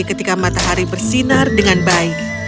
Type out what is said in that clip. ketika matahari bersinar dengan baik